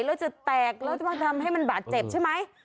เราจะแตกจะทำให้มันบาดเจ็บใช่ไหม